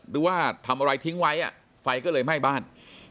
หรือว่าทำอะไรทิ้งไว้ไฟก็เลยไหม้บ้าน